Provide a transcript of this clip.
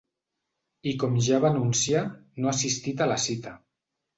I com ja va anunciar, no ha assistit a la cita.